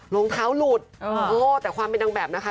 รองเท้าหลุดแต่ความเป็นนางแบบนะคะ